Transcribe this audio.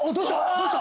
どうした？